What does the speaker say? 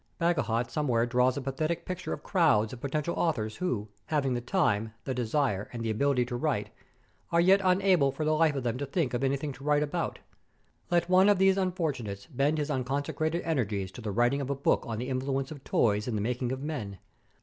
Bagehot somewhere draws a pathetic picture of crowds of potential authors who, having the time, the desire, and the ability to write, are yet unable for the life of them to think of anything to write about. Let one of these unfortunates bend his unconsecrated energies to the writing of a book on the influence of toys in the making of men.